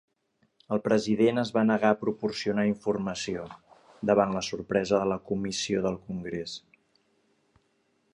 El president es va negar a proporcionar informació, davant la sorpresa de la Comissió del Congrés.